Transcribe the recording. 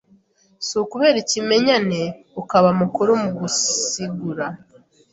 Si ukubera ikimenyane Ukaba mukuru mu gusigura